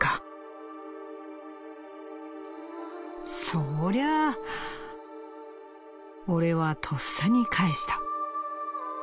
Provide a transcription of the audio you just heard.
「『そりゃあ』俺はとっさに返した。